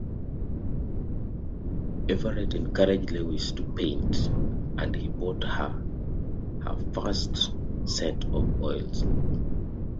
Everett encouraged Lewis to paint, and he bought her her first set of oils.